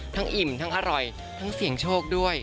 อิ่มทั้งอร่อยทั้งเสี่ยงโชคด้วย